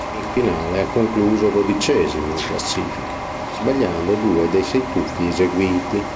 In finale ha concluso dodicesimo in classifica sbagliando due dei sei tuffi eseguiti.